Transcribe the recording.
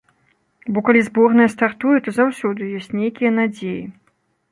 Бо калі зборная стартуе, то заўсёды ёсць нейкія надзеі.